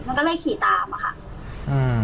มันก็เลยขี่ตามค่ะ